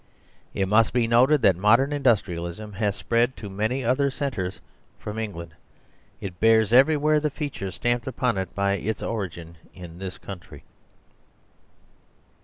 It must be noted that modern Industrialism has spread to many other centres from England. It bears everywhere the features stamped upon it by its origin in this country.